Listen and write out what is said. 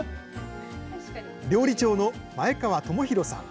料理長の前川智裕さん。